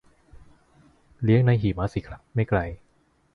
เลี้ยงในเมืองหิมะสิครับ ไม่ไกล